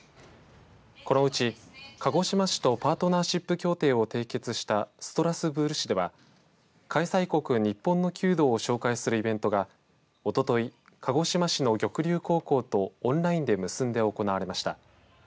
このうち、鹿児島市とパートナーシップ協定を締結したストラスブール市では開催国、日本の弓道を紹介するイベントがおととい、鹿児島市の玉龍高校とオンラインで結んで行われました。